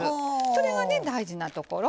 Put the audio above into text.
それがね大事なところ。